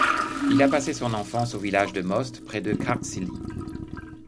Il a passé son enfance au village de Most près de Kărdžali.